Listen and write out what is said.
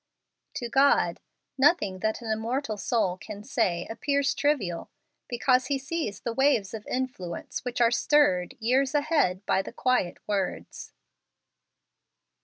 To God, nothing that an immortal soul can say, appears trivial, because he sees the waves of influence which are stirred years ahead by the quiet words.